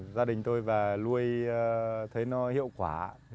gia đình tôi và lui thấy nó hiệu quả